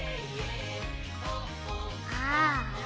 ああ。